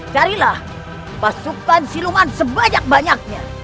carilah pasukan siluman sebanyak banyaknya